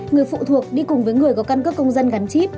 người phụ thuộc đi cùng với người có căn cước công dân gắn chip